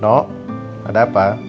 nek ada apa